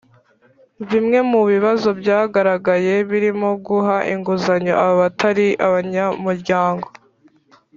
bimwe mu bibazo byagaragaye birimo guha inguzanyo abatari abanyamuryango,